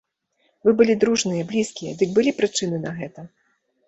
Вы былі дружныя, блізкія, дык былі прычыны на гэта.